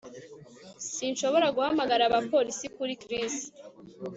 Sinshobora guhamagara abapolisi kuri Chris